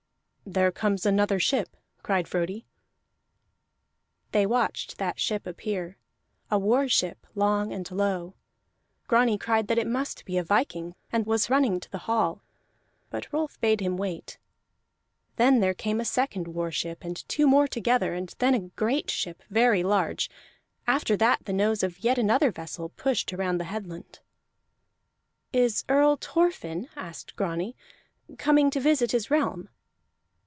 "There comes another ship," cried Frodi. They watched that ship appear: a war ship, long and low. Grani cried that that must be a viking, and was for running to the hall; but Rolf bade him wait. Then there came a second war ship, and two more together, and then a great ship, very large; after that the nose of yet another vessel pushed around the headland. "Is Earl Thorfinn," asked Grani, "coming to visit his realm?"